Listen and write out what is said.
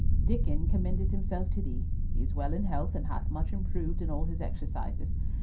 Diccon commendeth himself to thee; he is well in health, and hath much improved in all his exercises.